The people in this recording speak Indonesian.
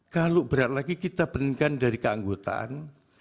kalau berat lagi kita benarkan dari keanggotaan